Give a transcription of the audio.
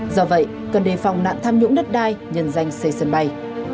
do vậy cần đề phòng nạn tham nhũng đất đai nhân danh xây sân bay